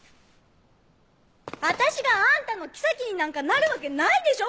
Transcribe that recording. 私があんたの妃になんかなるわけないでしょ！